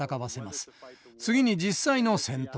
次に実際の戦闘。